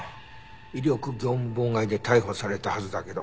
威力業務妨害で逮捕されたはずだけど。